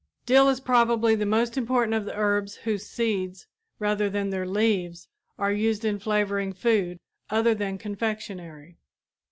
Dill is probably the most important of the herbs whose seeds, rather than their leaves, are used in flavoring food other than confectionery.